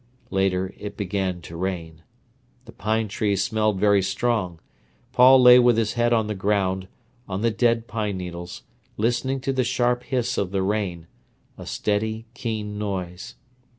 Later it began to rain. The pine trees smelled very strong. Paul lay with his head on the ground, on the dead pine needles, listening to the sharp hiss of the rain—a steady, keen noise.